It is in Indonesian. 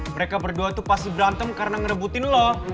mereka berdua tuh pasti berantem karena ngerebutin loh